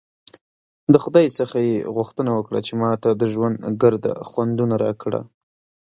د خدای څخه ېې غوښتنه وکړه چې ماته د ژوند ګرده خوندونه راکړه!